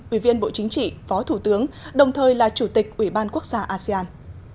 ủy viên bộ chính trị phó thủ tướng đồng thời là chủ tịch ủy ban quốc gia asean